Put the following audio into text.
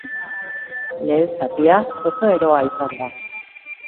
Lehen zatia oso eroa izan da.